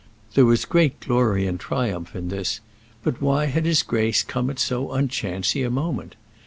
There was great glory and triumph in this; but why had his grace come at so unchancy a moment?